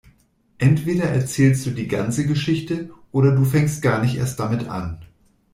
Entweder erzählst du die ganze Geschichte oder du fängst gar nicht erst damit an.